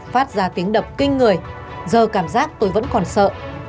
phát ra tiếng đập kinh người giờ cảm giác tôi vẫn còn sợ